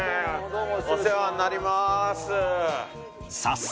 お世話になります。